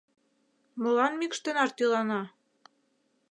Молан мӱкш тынар тӱлана?